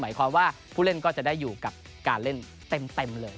หมายความว่าผู้เล่นก็จะได้อยู่กับการเล่นเต็มเลย